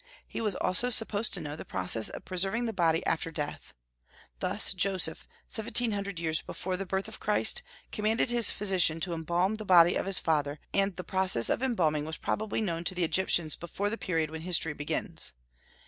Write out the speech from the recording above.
He was also supposed to know the process of preserving the body after death. Thus Joseph, seventeen hundred years before the birth of Christ, commanded his physician to embalm the body of his father; and the process of embalming was probably known to the Egyptians before the period when history begins.